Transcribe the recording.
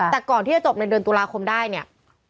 แต่ก่อนที่จะจบในเดือนตุลาคมได้เนี่ย